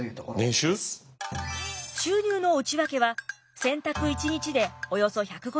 収入の内訳は洗濯一日でおよそ１５０円。